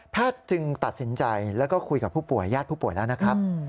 จึงตัดสินใจแล้วก็คุยกับผู้ป่วยญาติผู้ป่วยแล้วนะครับ